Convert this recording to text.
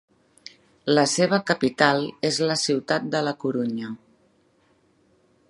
La seva capital és la ciutat de la Corunya.